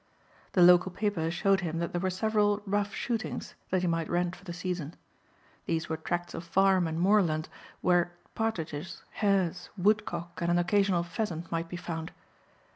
The local paper showed him that there were several "rough shootings" that he might rent for the season. These were tracts of farm and moorland where partridges, hares, woodcock and an occasional pheasant might be found.